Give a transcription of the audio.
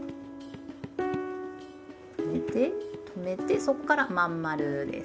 止めて止めてそこから真ん丸です。